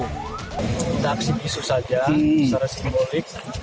kita aksi isu saja secara simbolik